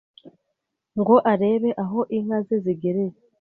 ngo arebe aho inka ze zigereye